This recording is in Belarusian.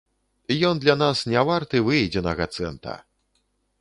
Ён для нас не варты выедзенага цэнта.